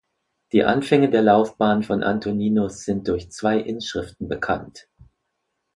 Die Anfänge der Laufbahn von Antoninus sind durch zwei Inschriften bekannt.